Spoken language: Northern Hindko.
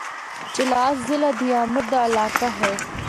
چلاس ضلع دیامر دا علاقہ ہے۔